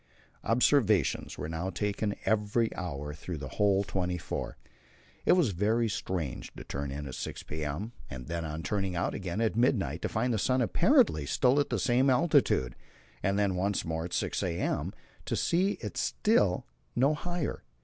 Observations were now taken every hour through the whole twenty four. It was very strange to turn in at 6 p.m., and then on turning out again at midnight to find the sun apparently still at the same altitude, and then once more at 6 a.m. to see it still no higher.